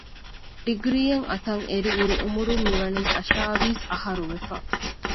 ޑިގްރީއެއް އަތަށްއެރި އިރު އުމުރުން މިވަނީ އަށާވީސް އަހަރު ވެފަ